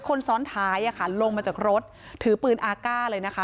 คนซ้อนท้ายลงมาจากรถถือปืนอาก้าเลยนะคะ